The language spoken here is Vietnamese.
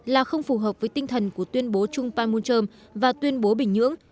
là không phù hợp với tinh thần của tuyên bố chung panmunjom và tuyên bố bình nhưỡng